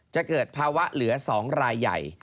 จะเกิดภาวะเหลือ๒รายใหญ่